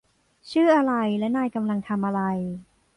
ชื่ออะไรและนายกำลังทำอะไร